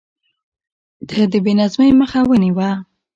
ده د بې نظمۍ مخه ونيوه.